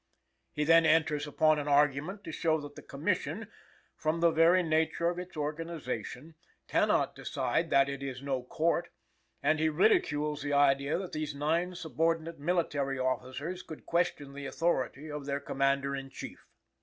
He then enters upon an argument to show that the Commission, from the very nature of its organization, cannot decide that it is no Court, and he ridicules the idea that these nine subordinate military officers could question the authority of their Commander in Chief.